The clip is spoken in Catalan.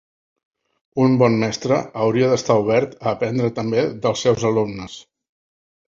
Un bon mestre hauria d'estar obert a aprendre també dels seus alumnes.